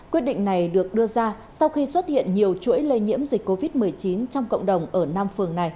quyết định này được đưa ra sau khi xuất hiện nhiều chuỗi lây nhiễm dịch covid một mươi chín trong cộng đồng ở nam